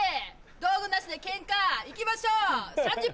道具なしでケンカいきましょう３０分！